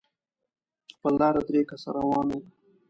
پر لاره درې کسه روان وو.